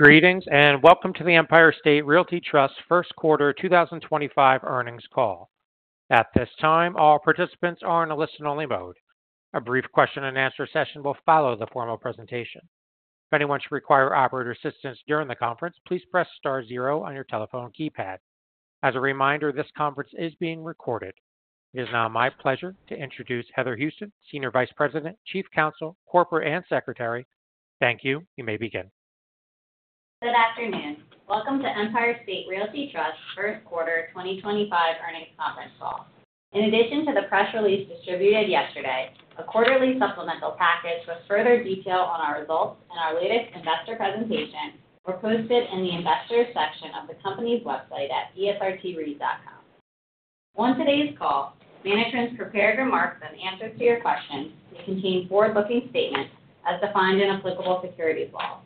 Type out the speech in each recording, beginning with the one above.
Greetings and welcome to the Empire State Realty Trust's First Quarter 2025 Earnings Call. At this time, all participants are in a listen-only mode. A brief question-and-answer session will follow the formal presentation. If anyone should require operator assistance during the conference, please press star zero on your telephone keypad. As a reminder, this conference is being recorded. It is now my pleasure to introduce Heather Houston, Senior Vice President, Chief Counsel, Corporate and Secretary. Thank you. You may begin. Good afternoon. Welcome to Empire State Realty Trust's First Quarter 2025 Earnings Conference Call. In addition to the press release distributed yesterday, a quarterly supplemental package with further detail on our results and our latest investor presentation were posted in the investors' section of the company's website at esrtre.com. On today's call, management's prepared remarks and answers to your questions may contain forward-looking statements as defined in applicable securities law,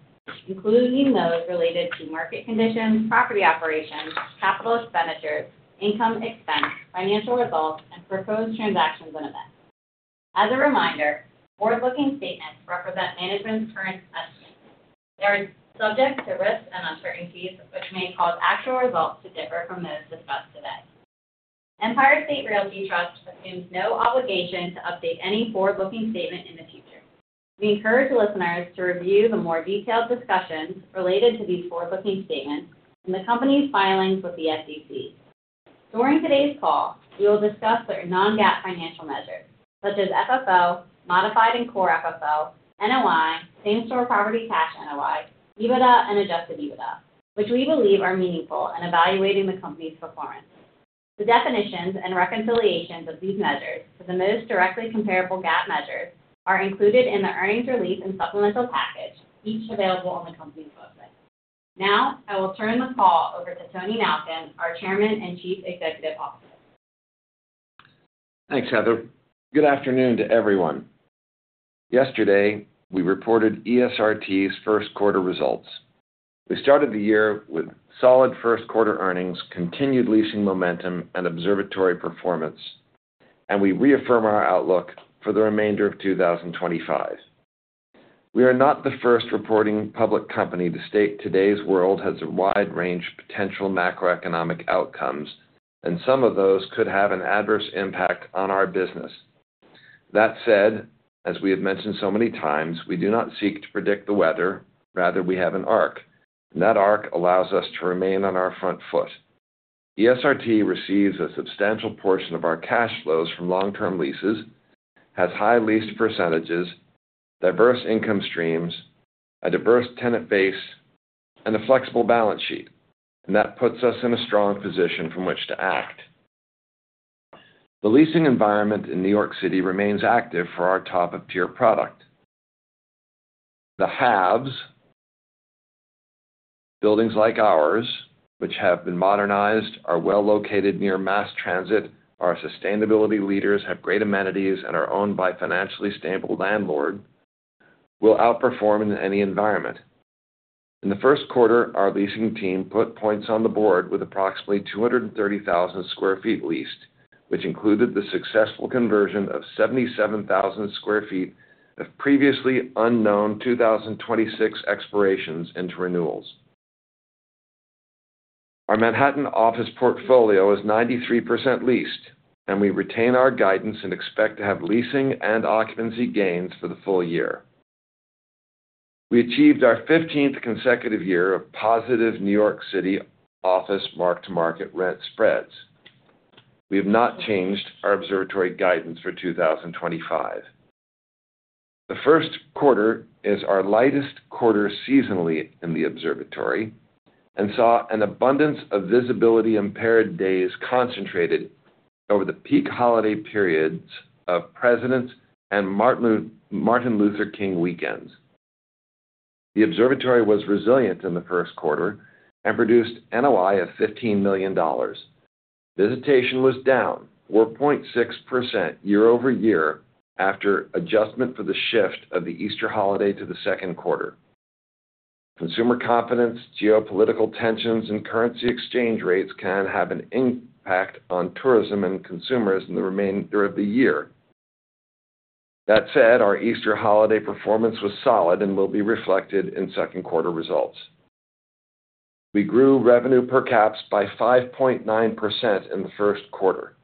including those related to market conditions, property operations, capital expenditures, income expense, financial results, and proposed transactions and events. As a reminder, forward-looking statements represent management's current estimates. They are subject to risks and uncertainties, which may cause actual results to differ from those discussed today. Empire State Realty Trust assumes no obligation to update any forward-looking statement in the future. We encourage listeners to review the more detailed discussions related to these forward-looking statements in the company's filings with the SEC. During today's call, we will discuss their non-GAAP financial measures, such as FFO, modified and core FFO, NOI, same-store property cash NOI, EBITDA, and adjusted EBITDA, which we believe are meaningful in evaluating the company's performance. The definitions and reconciliations of these measures to the most directly comparable GAAP measures are included in the earnings release and supplemental package, each available on the company's website. Now, I will turn the call over to Tony Malkin, our Chairman and Chief Executive Officer. Thanks, Heather. Good afternoon to everyone. Yesterday, we reported ESRT's first quarter results. We started the year with solid first quarter earnings, continued leasing momentum, and observatory performance, and we reaffirm our outlook for the remainder of 2025. We are not the first reporting public company to state today's world has a wide range of potential macroeconomic outcomes, and some of those could have an adverse impact on our business. That said, as we have mentioned so many times, we do not seek to predict the weather; rather, we have an arc, and that arc allows us to remain on our front foot. ESRT receives a substantial portion of our cash flows from long-term leases, has high lease percentages, diverse income streams, a diverse tenant base, and a flexible balance sheet, and that puts us in a strong position from which to act. The leasing environment in New York City remains active for our top-of-tier product. The haves, buildings like ours, which have been modernized, are well located near mass transit, are sustainability leaders, have great amenities, and are owned by a financially stable landlord, will outperform in any environment. In the first quarter, our leasing team put points on the board with approximately 230,000 sq ft leased, which included the successful conversion of 77,000 sq ft of previously unknown 2026 expirations into renewals. Our Manhattan office portfolio is 93% leased, and we retain our guidance and expect to have leasing and occupancy gains for the full year. We achieved our 15th consecutive year of positive New York City office mark-to-market rent spreads. We have not changed our observatory guidance for 2025. The first quarter is our lightest quarter seasonally in the observatory and saw an abundance of visibility-impaired days concentrated over the peak holiday periods of President and Martin Luther King weekends. The observatory was resilient in the first quarter and produced NOI of $15 million. Visitation was down 4.6% year-over-year after adjustment for the shift of the Easter holiday to the second quarter. Consumer confidence, geopolitical tensions, and currency exchange rates can have an impact on tourism and consumers in the remainder of the year. That said, our Easter holiday performance was solid and will be reflected in second quarter results. We grew revenue per caps by 5.9% in the first quarter.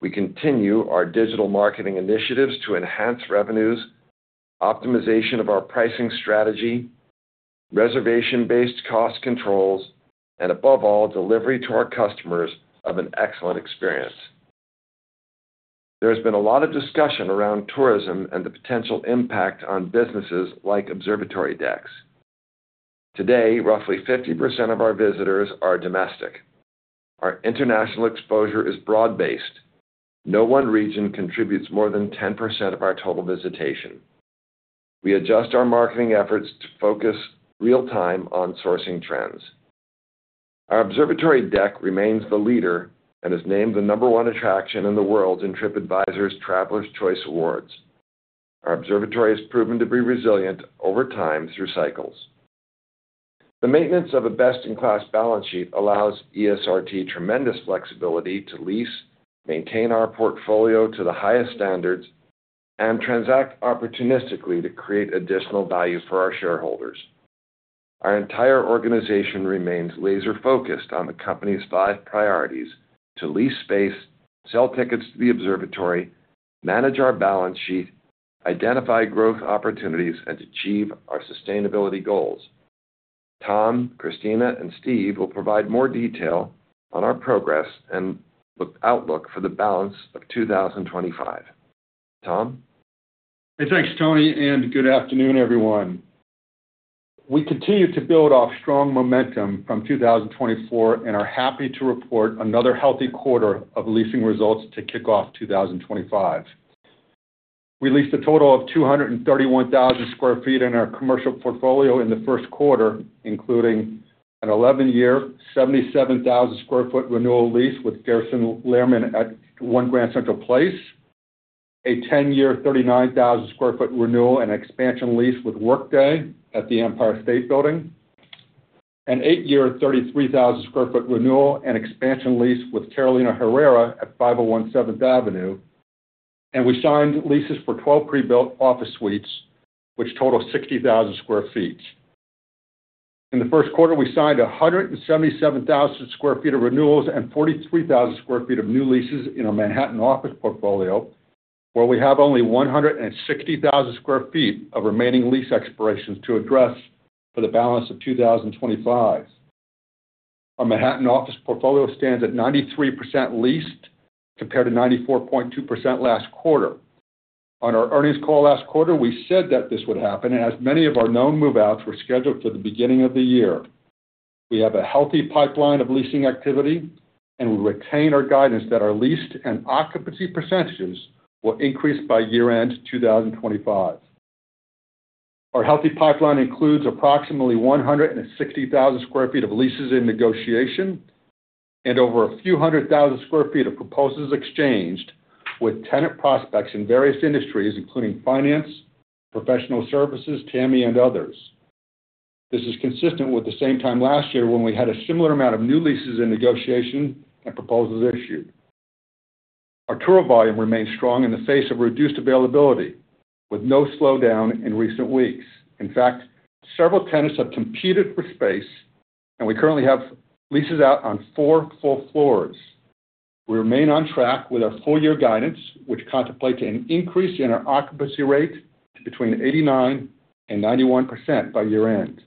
We continue our digital marketing initiatives to enhance revenues, optimization of our pricing strategy, reservation-based cost controls, and above all, delivery to our customers of an excellent experience. There has been a lot of discussion around tourism and the potential impact on businesses like observatory decks. Today, roughly 50% of our visitors are domestic. Our international exposure is broad-based. No one region contributes more than 10% of our total visitation. We adjust our marketing efforts to focus real-time on sourcing trends. Our observatory deck remains the leader and is named the number one attraction in the world in TripAdvisor's Traveler's Choice Awards. Our observatory has proven to be resilient over time through cycles. The maintenance of a best-in-class balance sheet allows ESRT tremendous flexibility to lease, maintain our portfolio to the highest standards, and transact opportunistically to create additional value for our shareholders. Our entire organization remains laser-focused on the company's five priorities to lease space, sell tickets to the observatory, manage our balance sheet, identify growth opportunities, and achieve our sustainability goals. Tom, Christina, and Steve will provide more detail on our progress and outlook for the balance of 2025. Tom? Hey, thanks, Tony, and good afternoon, everyone. We continue to build off strong momentum from 2024 and are happy to report another healthy quarter of leasing results to kick off 2025. We leased a total of 231,000 sq ft in our commercial portfolio in the first quarter, including an 11-year, 77,000 sq ft renewal lease with Garrison Lehrman at One Grand Central Place, a 10-year, 39,000 sq ft renewal and expansion lease with Workday at the Empire State Building, an 8-year, 33,000 sq ft renewal and expansion lease with Carolina Herrera at 501 Seventh Avenue, and we signed leases for 12 prebuilt office suites, which total 60,000 sq ft. In the first quarter, we signed 177,000 sq ft of renewals and 43,000 sq ft of new leases in our Manhattan office portfolio, where we have only 160,000 sq ft of remaining lease expirations to address for the balance of 2025. Our Manhattan office portfolio stands at 93% leased compared to 94.2% last quarter. On our earnings call last quarter, we said that this would happen, as many of our known move-outs were scheduled for the beginning of the year. We have a healthy pipeline of leasing activity, and we retain our guidance that our leased and occupancy percentages will increase by year-end 2025. Our healthy pipeline includes approximately 160,000 sq ft of leases in negotiation and over a few hundred thousand sq ft of proposals exchanged with tenant prospects in various industries, including finance, professional services, TAMI, and others. This is consistent with the same time last year when we had a similar amount of new leases in negotiation and proposals issued. Our tour volume remains strong in the face of reduced availability, with no slowdown in recent weeks. In fact, several tenants have competed for space, and we currently have leases out on four full floors. We remain on track with our full-year guidance, which contemplates an increase in our occupancy rate to between 89% and 91% by year-end.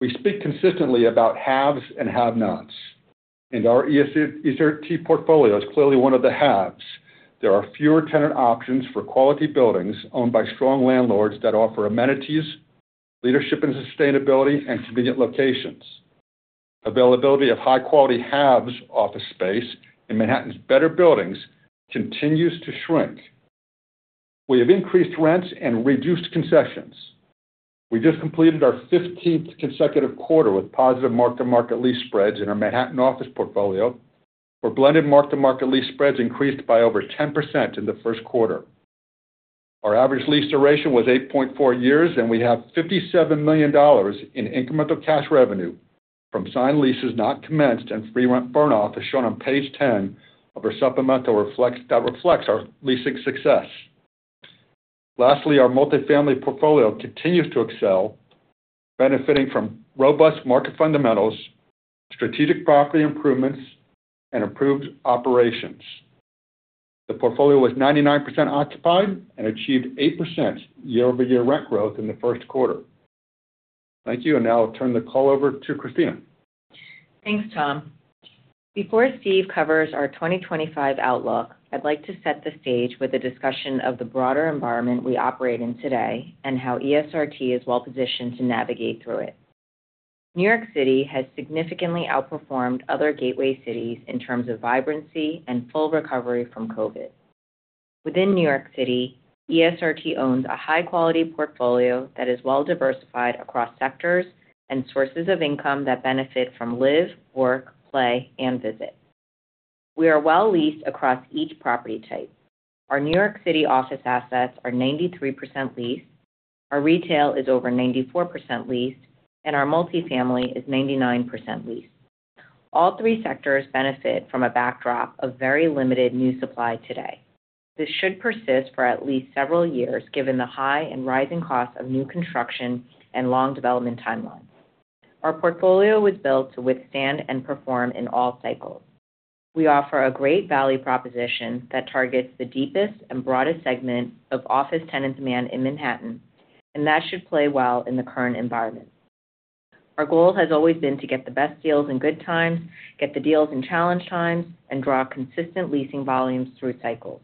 We speak consistently about haves and have-nots, and our ESRT portfolio is clearly one of the haves. There are fewer tenant options for quality buildings owned by strong landlords that offer amenities, leadership in sustainability, and convenient locations. Availability of high-quality haves' office space in Manhattan's better buildings continues to shrink. We have increased rents and reduced concessions. We just completed our 15th consecutive quarter with positive mark-to-market lease spreads in our Manhattan office portfolio. Our blended mark-to-market lease spreads increased by over 10% in the first quarter. Our average lease duration was 8.4 years, and we have $57 million in incremental cash revenue from signed leases not commenced and free rent burnoff, as shown on page 10 of our supplemental that reflects our leasing success. Lastly, our multifamily portfolio continues to excel, benefiting from robust market fundamentals, strategic property improvements, and improved operations. The portfolio was 99% occupied and achieved 8% year-over-year rent growth in the first quarter. Thank you, and I'll turn the call over to Christina. Thanks, Tom. Before Steve covers our 2025 outlook, I'd like to set the stage with a discussion of the broader environment we operate in today and how ESRT is well-positioned to navigate through it. New York City has significantly outperformed other gateway cities in terms of vibrancy and full recovery from COVID. Within New York City, ESRT owns a high-quality portfolio that is well-diversified across sectors and sources of income that benefit from live, work, play, and visit. We are well-leased across each property type. Our New York City office assets are 93% leased, our retail is over 94% leased, and our multifamily is 99% leased. All three sectors benefit from a backdrop of very limited new supply today. This should persist for at least several years given the high and rising costs of new construction and long development timelines. Our portfolio was built to withstand and perform in all cycles. We offer a great value proposition that targets the deepest and broadest segment of office tenant demand in Manhattan, and that should play well in the current environment. Our goal has always been to get the best deals in good times, get the deals in challenge times, and draw consistent leasing volumes through cycles.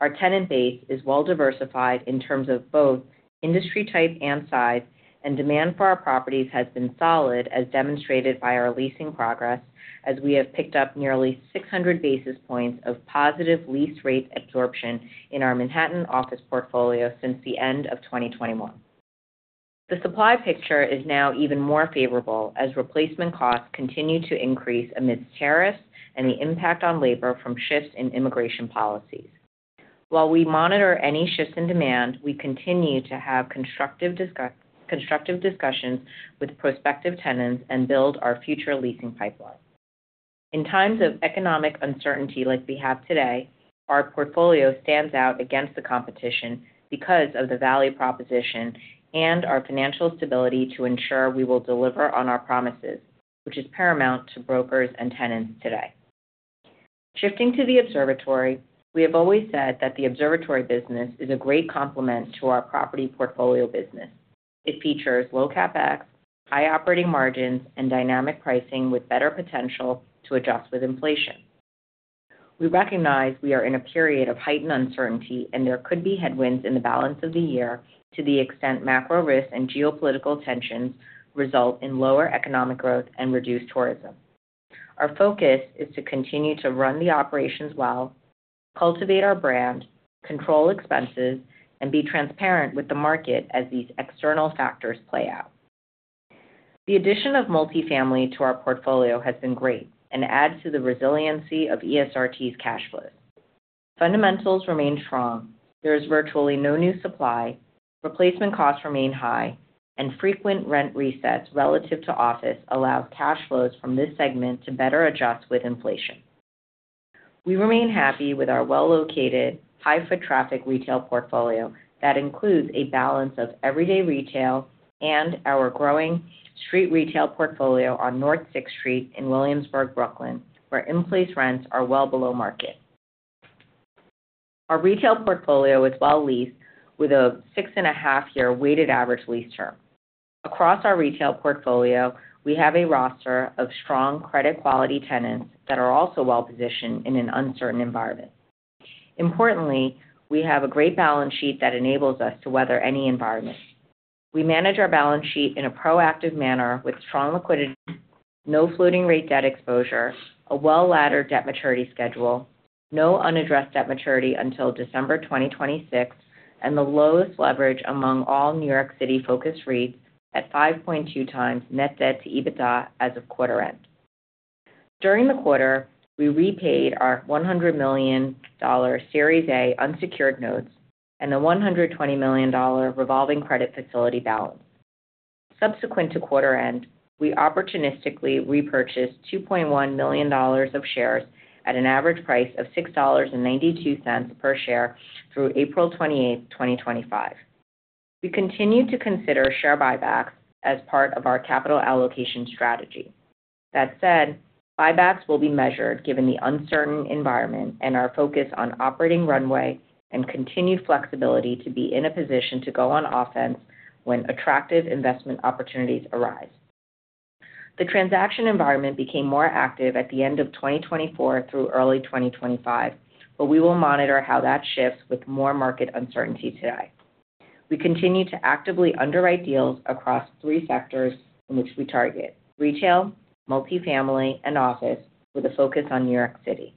Our tenant base is well-diversified in terms of both industry type and size, and demand for our properties has been solid, as demonstrated by our leasing progress, as we have picked up nearly 600 basis points of positive lease rate absorption in our Manhattan office portfolio since the end of 2021. The supply picture is now even more favorable as replacement costs continue to increase amidst tariffs and the impact on labor from shifts in immigration policies. While we monitor any shifts in demand, we continue to have constructive discussions with prospective tenants and build our future leasing pipeline. In times of economic uncertainty like we have today, our portfolio stands out against the competition because of the value proposition and our financial stability to ensure we will deliver on our promises, which is paramount to brokers and tenants today. Shifting to the observatory, we have always said that the observatory business is a great complement to our property portfolio business. It features low CapEx, high operating margins, and dynamic pricing with better potential to adjust with inflation. We recognize we are in a period of heightened uncertainty, and there could be headwinds in the balance of the year to the extent macro risks and geopolitical tensions result in lower economic growth and reduced tourism. Our focus is to continue to run the operations well, cultivate our brand, control expenses, and be transparent with the market as these external factors play out. The addition of multifamily to our portfolio has been great and adds to the resiliency of ESRT's cash flows. Fundamentals remain strong. There is virtually no new supply, replacement costs remain high, and frequent rent resets relative to office allow cash flows from this segment to better adjust with inflation. We remain happy with our well-located, high-foot traffic retail portfolio that includes a balance of everyday retail and our growing street retail portfolio on North 6th Street in Williamsburg, Brooklyn, where in-place rents are well below market. Our retail portfolio is well-leased with a 6.5-year weighted average lease term. Across our retail portfolio, we have a roster of strong credit-quality tenants that are also well-positioned in an uncertain environment. Importantly, we have a great balance sheet that enables us to weather any environment. We manage our balance sheet in a proactive manner with strong liquidity, no floating-rate debt exposure, a well-laddered debt maturity schedule, no unaddressed debt maturity until December 2026, and the lowest leverage among all New York City-focused REITs at 5.2x net debt to EBITDA as of quarter-end. During the quarter, we repaid our $100 million Series A unsecured notes and the $120 million revolving credit facility balance. Subsequent to quarter-end, we opportunistically repurchased $2.1 million of shares at an average price of $6.92 per share through April 28, 2025. We continue to consider share buybacks as part of our capital allocation strategy. That said, buybacks will be measured given the uncertain environment and our focus on operating runway and continued flexibility to be in a position to go on offense when attractive investment opportunities arise. The transaction environment became more active at the end of 2024 through early 2025, but we will monitor how that shifts with more market uncertainty today. We continue to actively underwrite deals across three sectors in which we target: retail, multifamily, and office, with a focus on New York City.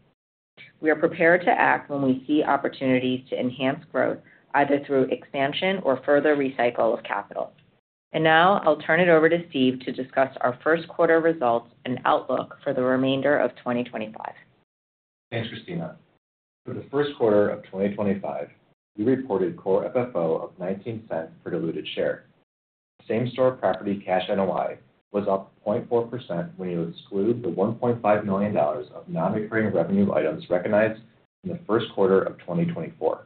We are prepared to act when we see opportunities to enhance growth, either through expansion or further recycle of capital. I will now turn it over to Steve to discuss our first quarter results and outlook for the remainder of 2025. Thanks, Christina. For the first quarter of 2025, we reported core FFO of $0.19 per diluted share. Same-store property cash NOI was up 0.4% when you exclude the $1.5 million of non-recurring revenue items recognized in the first quarter of 2024.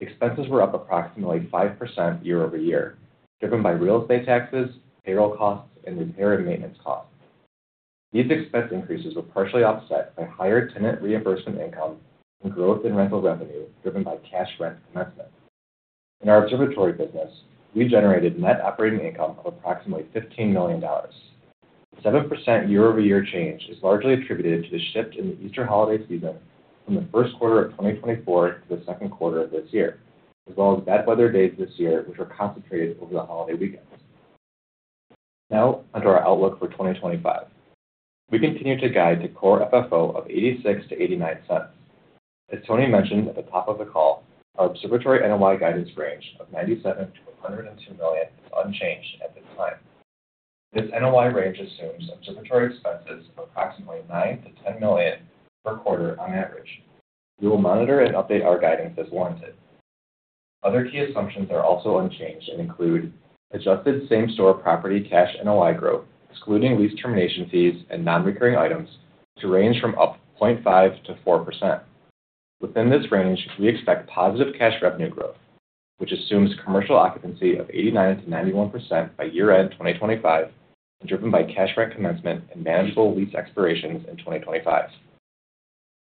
Expenses were up approximately 5% year-over-year, driven by real estate taxes, payroll costs, and repair and maintenance costs. These expense increases were partially offset by higher tenant reimbursement income and growth in rental revenue driven by cash rent commencement. In our observatory business, we generated net operating income of approximately $15 million. The 7% year-over-year change is largely attributed to the shift in the Easter holiday season from the first quarter of 2024 to the second quarter of this year, as well as bad weather days this year, which were concentrated over the holiday weekends. Now, under our outlook for 2025, we continue to guide to core FFO of $0.86-$0.89. As Tony mentioned at the top of the call, our observatory NOI guidance range of $97 million-$102 million is unchanged at this time. This NOI range assumes observatory expenses of approximately $9 million-$10 million per quarter on average. We will monitor and update our guidance as warranted. Other key assumptions are also unchanged and include adjusted same-store property cash NOI growth, excluding lease termination fees and non-recurring items, to range from up 0.5%-4%. Within this range, we expect positive cash revenue growth, which assumes commercial occupancy of 89%-91% by year-end 2025, driven by cash rent commencement and manageable lease expirations in 2025.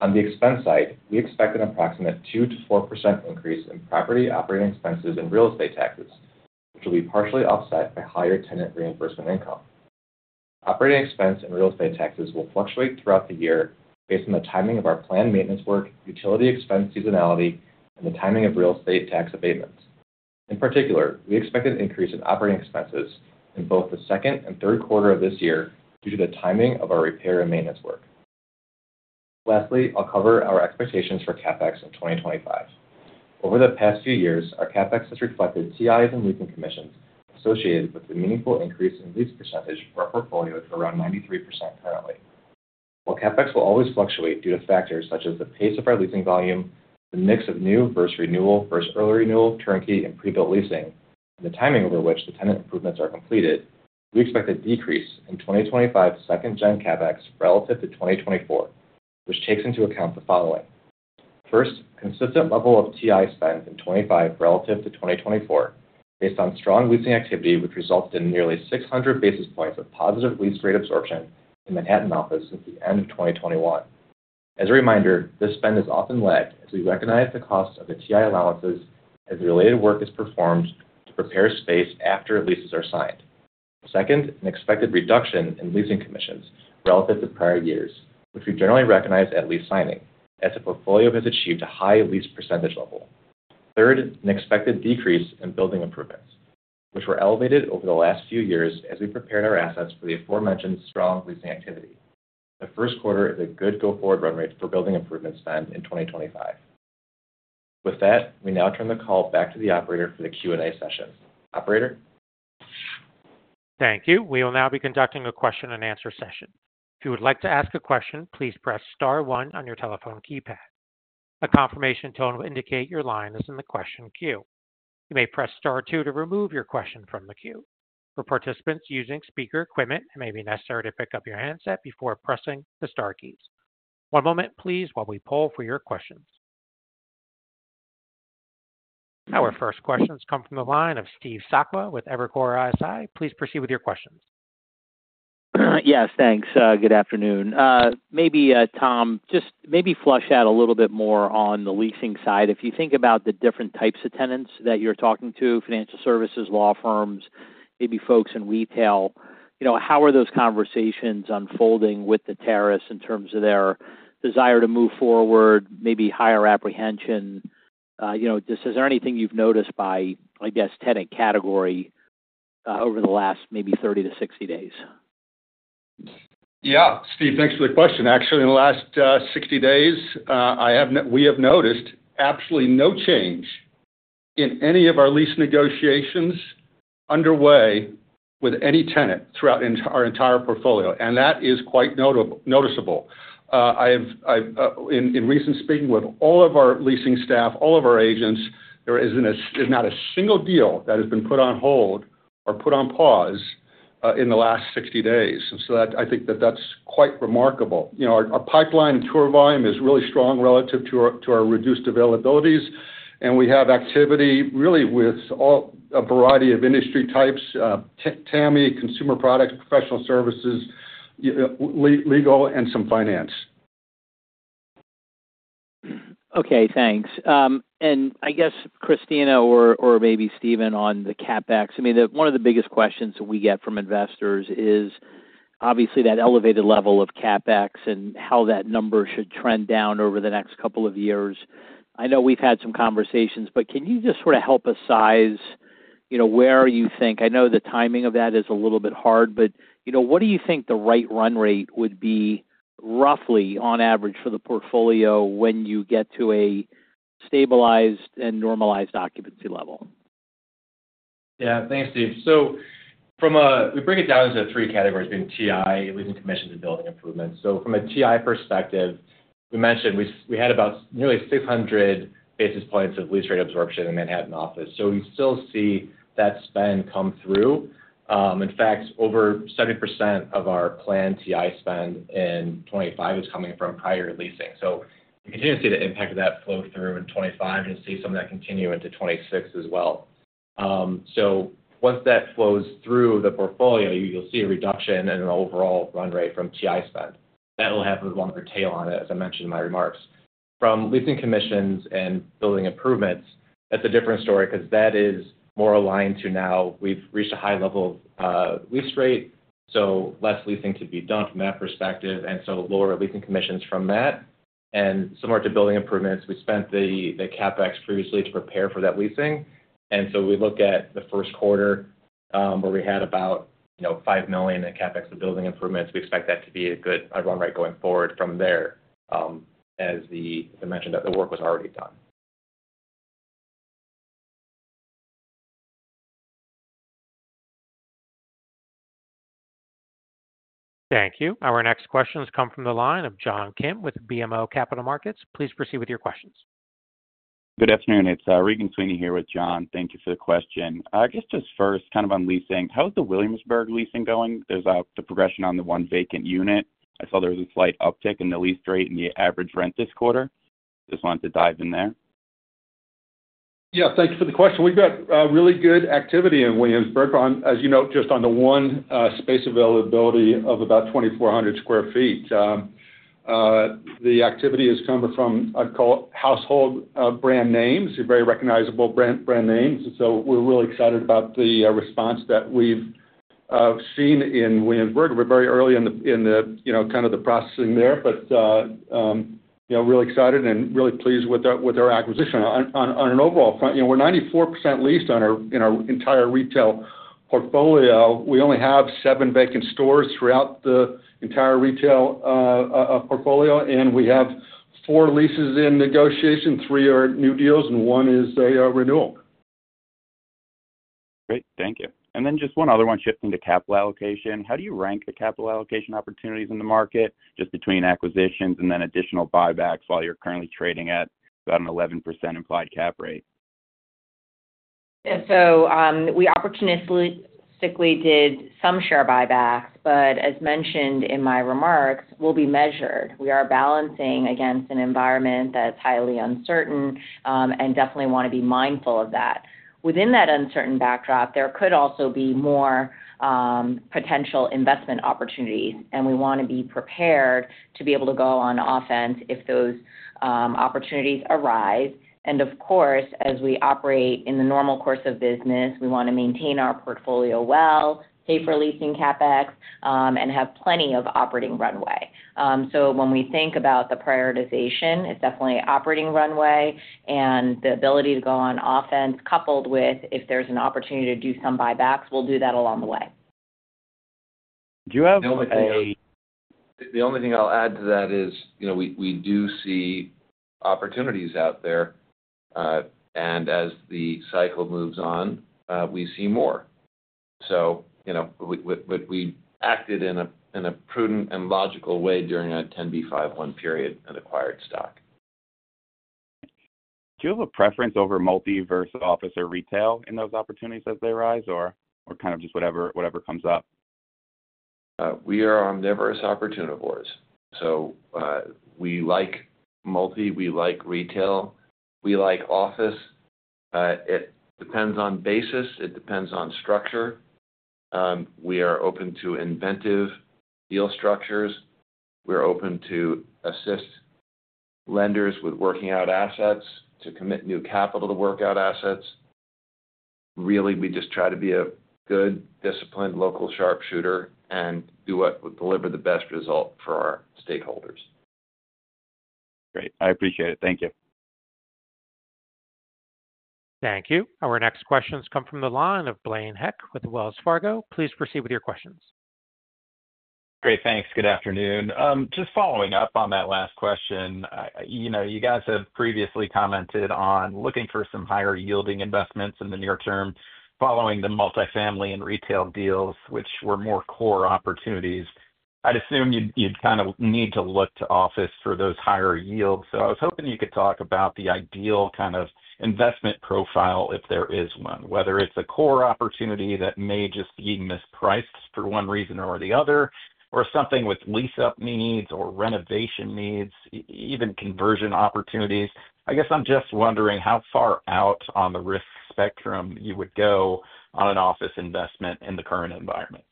On the expense side, we expect an approximate 2%-4% increase in property operating expenses and real estate taxes, which will be partially offset by higher tenant reimbursement income. Operating expense and real estate taxes will fluctuate throughout the year based on the timing of our planned maintenance work, utility expense seasonality, and the timing of real estate tax abatements. In particular, we expect an increase in operating expenses in both the second and third quarter of this year due to the timing of our repair and maintenance work. Lastly, I'll cover our expectations for CapEx in 2025. Over the past few years, our CapEx has reflected TIs and leasing commissions associated with a meaningful increase in lease percentage for our portfolio to around 93% currently. While CapEx will always fluctuate due to factors such as the pace of our leasing volume, the mix of new versus renewal versus early renewal turnkey and pre-built leasing, and the timing over which the tenant improvements are completed, we expect a decrease in 2025 second-gen CapEx relative to 2024, which takes into account the following. First, consistent level of TI spend in 2025 relative to 2024, based on strong leasing activity, which resulted in nearly 600 basis points of positive lease rate absorption in Manhattan office since the end of 2021. As a reminder, this spend is often led as we recognize the cost of the TI allowances as related work is performed to prepare space after leases are signed. Second, an expected reduction in leasing commissions relative to prior years, which we generally recognize at lease signing, as the portfolio has achieved a high lease percentage level. Third, an expected decrease in building improvements, which were elevated over the last few years as we prepared our assets for the aforementioned strong leasing activity. The first quarter is a good go-forward run rate for building improvement spend in 2025. With that, we now turn the call back to the operator for the Q&A session. Operator? Thank you. We will now be conducting a question-and-answer session. If you would like to ask a question, please press star one on your telephone keypad. A confirmation tone will indicate your line is in the question queue. You may press star two to remove your question from the queue. For participants using speaker equipment, it may be necessary to pick up your handset before pressing the star keys. One moment, please, while we pull for your questions. Our first questions come from the line of Steve Sakwa with Evercore ISI. Please proceed with your questions. Yes, thanks. Good afternoon. Maybe, Tom, just maybe flush out a little bit more on the leasing side. If you think about the different types of tenants that you're talking to, financial services, law firms, maybe folks in retail, how are those conversations unfolding with the tenants in terms of their desire to move forward, maybe higher apprehension? Just is there anything you've noticed by, I guess, tenant category over the last maybe 30-60 days? Yeah, Steve, thanks for the question. Actually, in the last 60 days, we have noticed absolutely no change in any of our lease negotiations underway with any tenant throughout our entire portfolio, and that is quite noticeable. In recent speaking with all of our leasing staff, all of our agents, there is not a single deal that has been put on hold or put on pause in the last 60 days. I think that that's quite remarkable. Our pipeline and tour volume is really strong relative to our reduced availabilities, and we have activity really with a variety of industry types: TAMI, consumer products, professional services, legal, and some finance. Okay, thanks. I guess, Christina or maybe Steve on the CapEx, I mean, one of the biggest questions that we get from investors is obviously that elevated level of CapEx and how that number should trend down over the next couple of years. I know we've had some conversations, but can you just sort of help us size where you think, I know the timing of that is a little bit hard, but what do you think the right run rate would be roughly on average for the portfolio when you get to a stabilized and normalized occupancy level? Yeah, thanks, Steve. We break it down into three categories being TI, leasing commissions, and building improvements. From a TI perspective, we mentioned we had about nearly 600 basis points of lease rate absorption in Manhattan office. We still see that spend come through. In fact, over 70% of our planned TI spend in 2025 is coming from prior leasing. We continue to see the impact of that flow through in 2025 and see some of that continue into 2026 as well. Once that flows through the portfolio, you'll see a reduction in the overall run rate from TI spend. That will have a longer tail on it, as I mentioned in my remarks. From leasing commissions and building improvements, that's a different story because that is more aligned to now we've reached a high level of lease rate, so less leasing to be done from that perspective, and so lower leasing commissions from that. Similar to building improvements, we spent the CapEx previously to prepare for that leasing. We look at the first quarter where we had about $5 million in CapEx of building improvements. We expect that to be a good run rate going forward from there, as I mentioned, that the work was already done. Thank you. Our next questions come from the line of John Kim with BMO Capital Markets. Please proceed with your questions. Good afternoon. It's Regan Sweeney here with John. Thank you for the question. I guess just first, kind of on leasing, how is the Williamsburg leasing going? There's the progression on the one vacant unit. I saw there was a slight uptick in the lease rate and the average rent this quarter. Just wanted to dive in there? Yeah, thank you for the question. We've got really good activity in Williamsburg, as you know, just on the one space availability of about 2,400 sq ft. The activity is coming from, I'd call it, household brand names, very recognizable brand names. You know, we're really excited about the response that we've seen in Williamsburg. We're very early in the kind of the processing there, but really excited and really pleased with our acquisition. On an overall front, we're 94% leased in our entire retail portfolio. We only have seven vacant stores throughout the entire retail portfolio, and we have four leases in negotiation. Three are new deals, and one is a renewal. Great. Thank you. Just one other one, shifting to capital allocation. How do you rank the capital allocation opportunities in the market, just between acquisitions and then additional buybacks while you're currently trading at about an 11% implied cap rate? We opportunistically did some share buybacks, but as mentioned in my remarks, we'll be measured. We are balancing against an environment that's highly uncertain and definitely want to be mindful of that. Within that uncertain backdrop, there could also be more potential investment opportunities, and we want to be prepared to be able to go on offense if those opportunities arise. Of course, as we operate in the normal course of business, we want to maintain our portfolio well, pay for leasing CapEx, and have plenty of operating runway. When we think about the prioritization, it's definitely operating runway and the ability to go on offense, coupled with if there's an opportunity to do some buybacks, we'll do that along the way. Do you have a? The only thing I'll add to that is we do see opportunities out there, and as the cycle moves on, we see more. We acted in a prudent and logical way during a 10b5-1 period and acquired stock. Do you have a preference over multi versus office or retail in those opportunities as they arise, or kind of just whatever comes up? We are omnivorous opportunivores. We like multi, we like retail, we like office. It depends on basis. It depends on structure. We are open to inventive deal structures. We're open to assist lenders with working out assets, to commit new capital to work out assets. Really, we just try to be a good, disciplined, local sharpshooter and do what will deliver the best result for our stakeholders. Great. I appreciate it. Thank you. Thank you. Our next questions come from the line of Blaine Heck with Wells Fargo. Please proceed with your questions. Great. Thanks. Good afternoon. Just following up on that last question, you guys have previously commented on looking for some higher-yielding investments in the near term following the multifamily and retail deals, which were more core opportunities. I'd assume you'd kind of need to look to office for those higher yields. I was hoping you could talk about the ideal kind of investment profile, if there is one, whether it's a core opportunity that may just be mispriced for one reason or the other, or something with lease-up needs or renovation needs, even conversion opportunities. I guess I'm just wondering how far out on the risk spectrum you would go on an office investment in the current environment.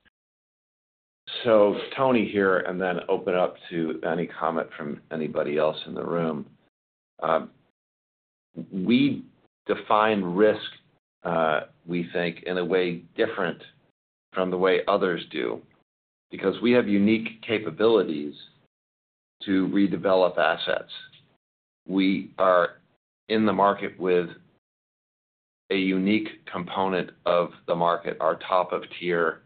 Tony here, and then open up to any comment from anybody else in the room. We define risk, we think, in a way different from the way others do because we have unique capabilities to redevelop assets. We are in the market with a unique component of the market, our top-of-tier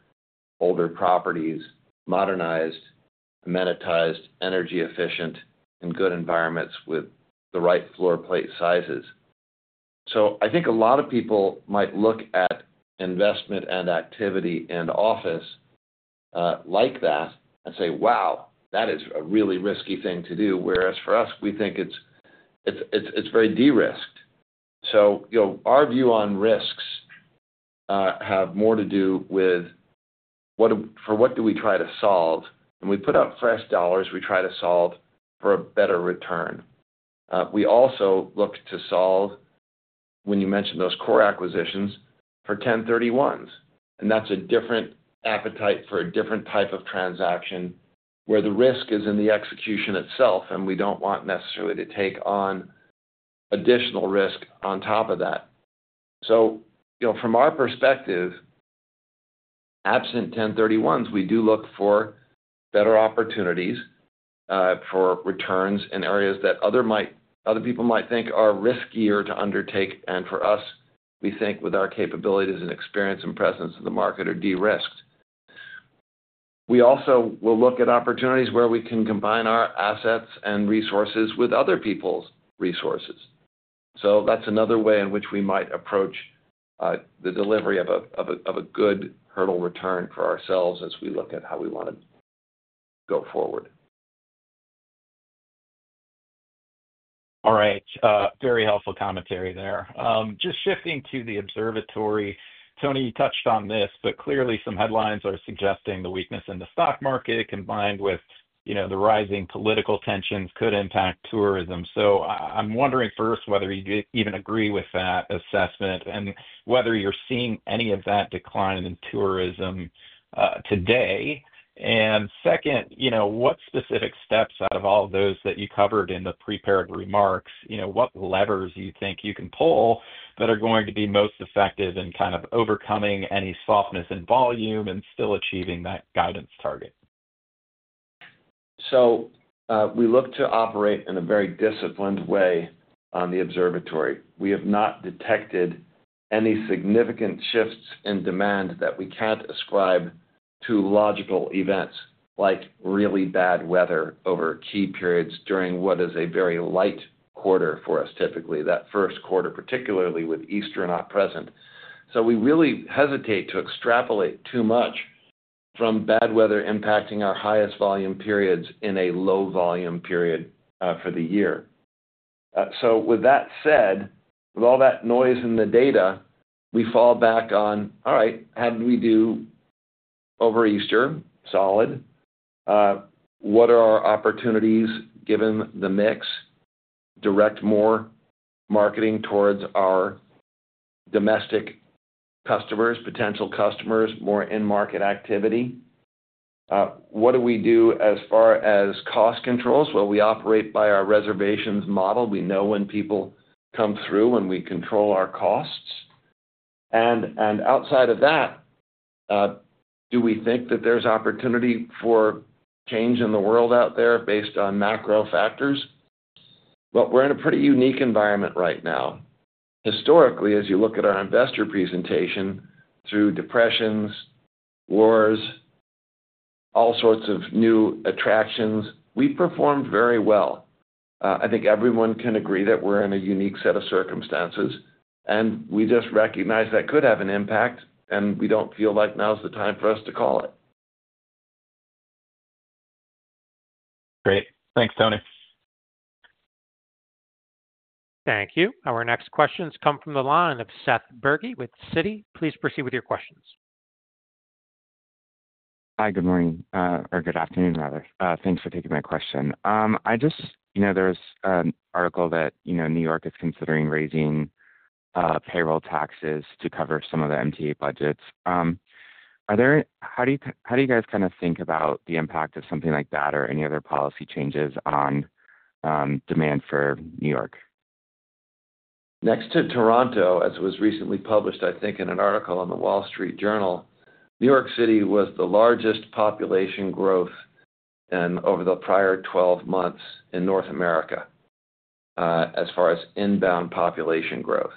older properties, modernized, amenitized, energy-efficient, and good environments with the right floor plate sizes. I think a lot of people might look at investment and activity and office like that and say, "Wow, that is a really risky thing to do," whereas for us, we think it's very de-risked. Our view on risks has more to do with for what do we try to solve. When we put up fresh dollars, we try to solve for a better return. We also look to solve, when you mentioned those core acquisitions, for 1031s. That is a different appetite for a different type of transaction where the risk is in the execution itself, and we do not want necessarily to take on additional risk on top of that. From our perspective, absent 1031s, we do look for better opportunities for returns in areas that other people might think are riskier to undertake. For us, we think with our capabilities and experience and presence in the market are de-risked. We also will look at opportunities where we can combine our assets and resources with other people's resources. That is another way in which we might approach the delivery of a good hurdle return for ourselves as we look at how we want to go forward. All right. Very helpful commentary there. Just shifting to the observatory, Tony, you touched on this, but clearly some headlines are suggesting the weakness in the stock market combined with the rising political tensions could impact tourism. I am wondering first whether you even agree with that assessment and whether you're seeing any of that decline in tourism today. Second, what specific steps out of all of those that you covered in the prepared remarks, what levers you think you can pull that are going to be most effective in kind of overcoming any softness in volume and still achieving that guidance target? We look to operate in a very disciplined way on the observatory. We have not detected any significant shifts in demand that we cannot ascribe to logical events like really bad weather over key periods during what is a very light quarter for us, typically, that first quarter, particularly with Easter not present. We really hesitate to extrapolate too much from bad weather impacting our highest volume periods in a low volume period for the year. With that said, with all that noise in the data, we fall back on, "All right, how do we do over Easter? Solid. What are our opportunities given the mix? Direct more marketing towards our domestic customers, potential customers, more in-market activity? What do we do as far as cost controls? Will we operate by our reservations model? We know when people come through and we control our costs. Outside of that, do we think that there's opportunity for change in the world out there based on macro factors? We are in a pretty unique environment right now. Historically, as you look at our investor presentation through depressions, wars, all sorts of new attractions, we performed very well. I think everyone can agree that we are in a unique set of circumstances, and we just recognize that could have an impact, and we do not feel like now is the time for us to call it. Great. Thanks, Tony. Thank you. Our next questions come from the line of Seth Bergey with Citi. Please proceed with your questions. Hi, good morning or good afternoon, rather. Thanks for taking my question. I just know there's an article that New York is considering raising payroll taxes to cover some of the MTA budgets. How do you guys kind of think about the impact of something like that or any other policy changes on demand for New York? Next to Toronto, as was recently published, I think, in an article in the Wall Street Journal, New York City was the largest population growth over the prior 12 months in North America as far as inbound population growth.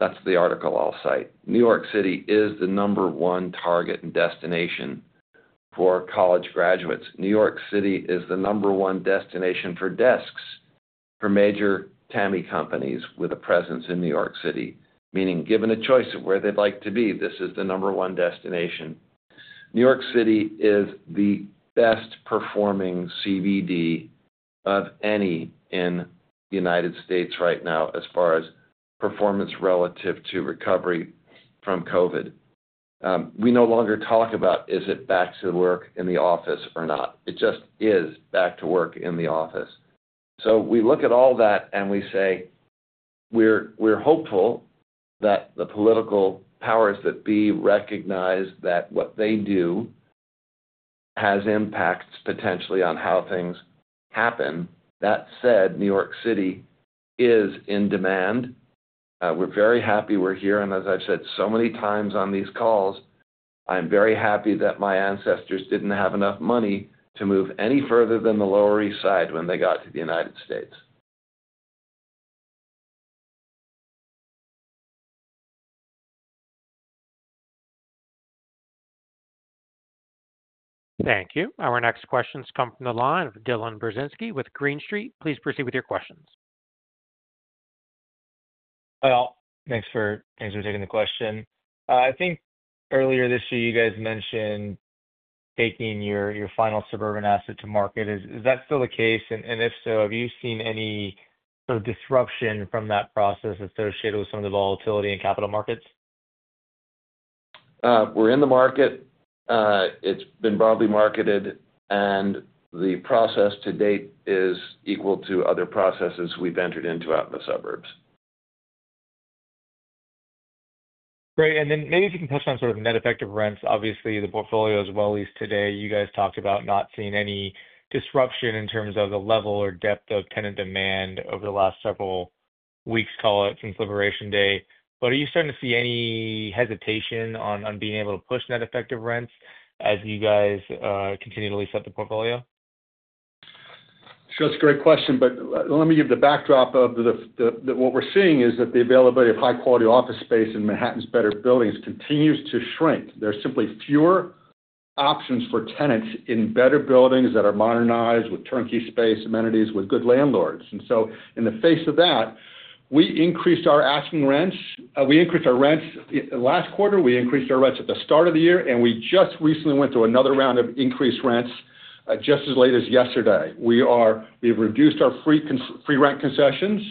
That's the article I'll cite. New York City is the number one target and destination for college graduates. New York City is the number one destination for desks for major TAMI companies with a presence in New York City, meaning given a choice of where they'd like to be, this is the number one destination. New York City is the best-performing CBD of any in the United States right now as far as performance relative to recovery from COVID. We no longer talk about, "Is it back to work in the office or not?" It just is back to work in the office. We look at all that and we say, "We're hopeful that the political powers that be recognize that what they do has impacts potentially on how things happen." That said, New York City is in demand. We're very happy we're here. As I've said so many times on these calls, I'm very happy that my ancestors didn't have enough money to move any further than the Lower East Side when they got to the United States. Thank you. Our next questions come from the line of Dylan Burzinski with Green Street. Please proceed with your questions. Thanks for taking the question. I think earlier this year, you guys mentioned taking your final suburban asset to market. Is that still the case? If so, have you seen any sort of disruption from that process associated with some of the volatility in capital markets? We're in the market. It's been broadly marketed, and the process to date is equal to other processes we've entered into out in the suburbs. Great. Maybe if you can touch on sort of net effective rents. Obviously, the portfolio is well leased today. You guys talked about not seeing any disruption in terms of the level or depth of tenant demand over the last several weeks, call it, since Liberation Day. Are you starting to see any hesitation on being able to push net effective rents as you guys continue to lease up the portfolio? Sure. It's a great question, but let me give the backdrop of what we're seeing is that the availability of high-quality office space in Manhattan's better buildings continues to shrink. There are simply fewer options for tenants in better buildings that are modernized with turnkey space amenities with good landlords. In the face of that, we increased our asking rents. We increased our rents last quarter. We increased our rents at the start of the year, and we just recently went through another round of increased rents just as late as yesterday. We have reduced our free rent concessions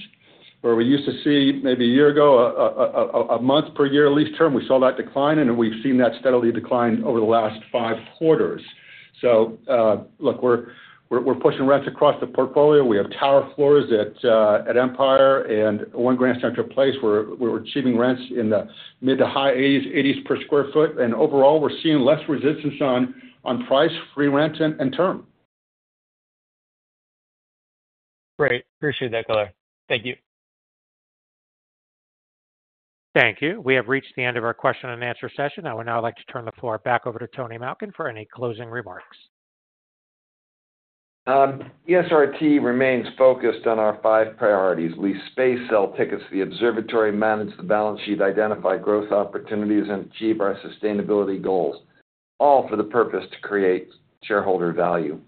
where we used to see maybe a year ago a month-per-year lease term. We saw that decline, and we've seen that steadily decline over the last five quarters. Look, we're pushing rents across the portfolio. We have tower floors at Empire and One Grand Central Place where we're achieving rents in the mid to high $80s per sq ft. Overall, we're seeing less resistance on price, free rent, and term. Great. Appreciate that, Keltner. Thank you. Thank you. We have reached the end of our question-and-answer session. I would now like to turn the floor back over to Tony Malkin for any closing remarks. ESRT remains focused on our five priorities: lease space, sell tickets to the observatory, manage the balance sheet, identify growth opportunities, and achieve our sustainability goals, all for the purpose to create shareholder value.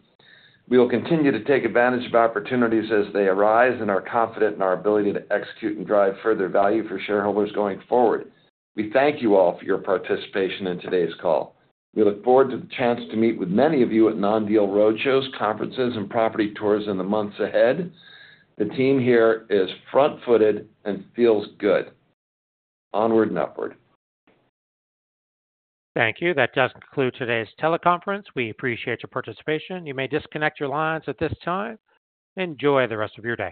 We will continue to take advantage of opportunities as they arise and are confident in our ability to execute and drive further value for shareholders going forward. We thank you all for your participation in today's call. We look forward to the chance to meet with many of you at non-deal road shows, conferences, and property tours in the months ahead. The team here is front-footed and feels good onward and upward. Thank you. That does conclude today's teleconference. We appreciate your participation. You may disconnect your lines at this time. Enjoy the rest of your day.